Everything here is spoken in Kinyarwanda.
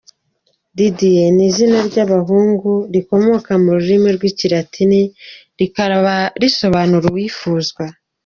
Didier ni izina ry’abahungu rikomoka ku rurimi rw’Ikilatini rikaba risobanura “Uwifuzwa”.